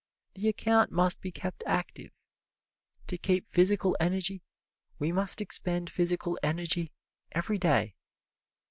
The account must be kept active. To keep physical energy we must expend physical energy every day.